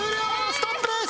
ストップです！